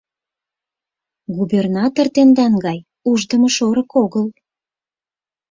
Губернатор тендан гай ушдымо шорык огыл!